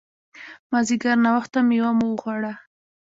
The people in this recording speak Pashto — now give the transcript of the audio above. مازیګر ناوخته مېوه مو وخوړه.